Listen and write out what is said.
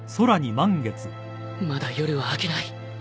まだ夜は明けない